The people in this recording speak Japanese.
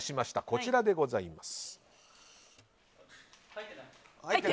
こちらでございます。